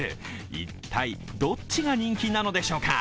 一体、どっちが人気なのでしょうか？